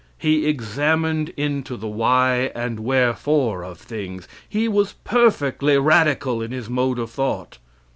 He examined into the why and wherefore of things. He was perfectly radical in his mode of thought.